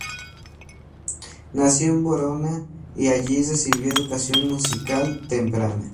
Nació en Verona y allí recibió educación musical temprana.